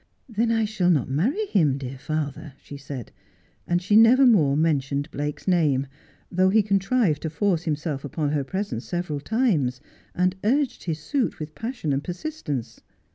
'Then I shall not marry him, deal father,' she said, and she never more mentioned Blake's name, though he contrived to force himself upon her presence several times, and urge, I his suit with passion and persistence.